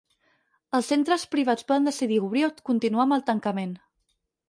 Els centres privats poden decidir obrir o continuar amb el tancament.